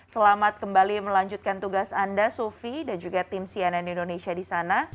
selamat kembali melanjutkan tugas anda sufi dan juga tim cnn indonesia di sana